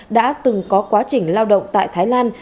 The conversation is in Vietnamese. đã từng có quá trình lao động tại thái lan